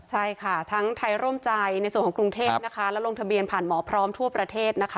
ใช่ค่ะทั้งไทยร่วมใจในส่วนของกรุงเทพนะคะแล้วลงทะเบียนผ่านหมอพร้อมทั่วประเทศนะคะ